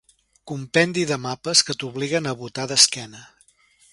Compendi de mapes que t'obliguen a botar d'esquena.